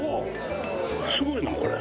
すごいなこれ！